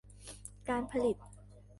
การผลิต